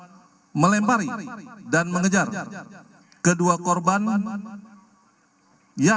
saksi melihat ps alias perong alias robi irawan berada di tempat kejadian